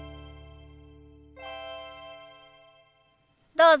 どうぞ。